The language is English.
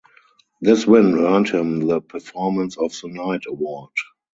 This win earned him the "Performance of the Night" award.